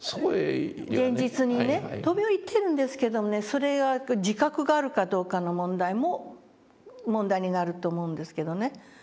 現実にね飛び降りてるんですけどもねそれが自覚があるかどうかの問題になると思うんですけどね。